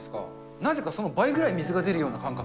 なぜかその倍ぐらい水が出るような感覚。